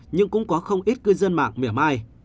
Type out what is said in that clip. nhưng cũng có không ít cư dân mạng miểu mai